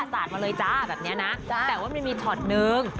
สาดมาเลยจ้าแบบนี้นะแต่ว่ามันมีช็อตนึง